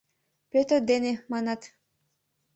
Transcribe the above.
— Пӧтыр дене, манат...